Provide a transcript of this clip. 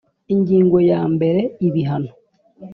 ingingo ya mbere ibihano